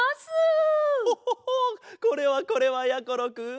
ホホホこれはこれはやころくん。